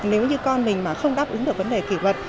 nếu như con mình mà không đáp ứng được vấn đề kỷ vật